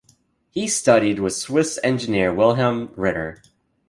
He studied with Swiss engineer Wilhelm Ritter.